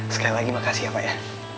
sekali lagi makasih ya pak ya